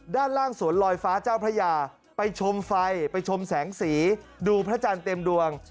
ด้านล่างสวนลอยฟ้าเจ้าพระยาไปชมไฟไปชมแสงสีดูพระจันทร์เต็มดวง